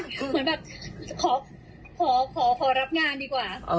เหมือนแบบขอรับงานดีกว่า